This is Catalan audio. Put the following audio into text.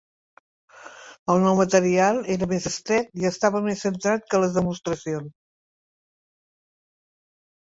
El nou material era més estret i estava més centrat que les demostracions.